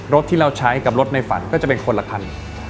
รถที่เราใช้กับรถในฝันก็จะเป็นคนละคัน